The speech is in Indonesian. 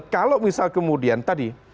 kalau misalnya kemudian tadi